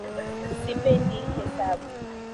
Sipendi hesabu